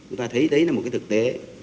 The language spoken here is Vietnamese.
chúng ta thấy đấy là một cái thực tế